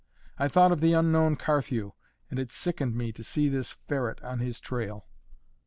I thought of the unknown Carthew, and it sickened me to see this ferret on his trail.